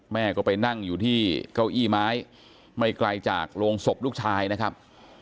แม่ก็ไปนั่งอยู่ที่เก้าอี้ไม้ไม่ไกลจากโรงศพลูกชายนะครับ